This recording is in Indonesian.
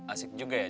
asik juga ya